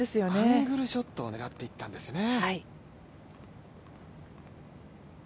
アングルショットを狙っていったんですね。